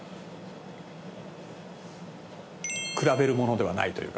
比べるものではないというか。